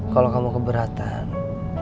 kalau kamu keberatan